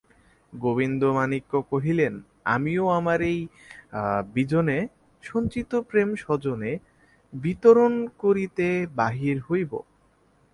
গোবিন্দমাণিক্য কহিলেন, আমিও আমার এই বিজনে সঞ্চিত প্রেম সজনে বিতরণ করিতে বাহির হইব।